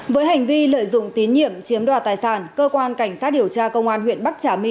với hành vi lợi dụng tín nhiệm chiếm đoạt tài sản cơ quan cảnh sát điều tra công an huyện bắc trà my